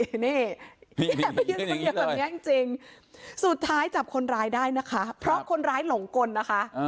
นี่ไปยืนแบบนี้จริงสุดท้ายจับคนร้ายได้นะคะเพราะคนร้ายหลงกลนะคะ